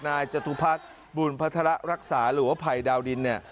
นายจตุภัทรบูรณ์พระธรรมรักษาหรือว่าภัยดาวดินเนี่ย